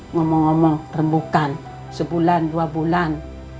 ngomong ngomong rembukan sebulan dua bulan